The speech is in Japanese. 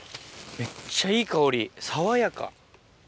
めっちゃいい香り、爽やか。